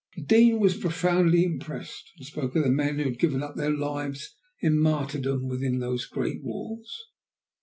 The Dean was profoundly impressed, and spoke of the men who had given up their lives in martyrdom within those great walls.